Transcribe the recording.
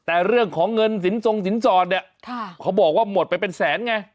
แต่เรื่องของเงินสินทรงสินสอดเนี่ยเขาบอกว่าหมดไปเป็นแสนไง